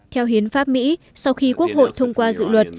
theo hiến pháp mỹ sau khi quốc hội thông qua dự luật